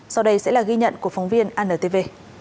sau đây sẽ là ghi nhận của phóng viên antv